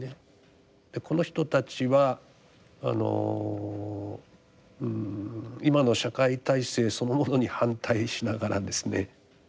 この人たちはあの今の社会体制そのものに反対しながらですね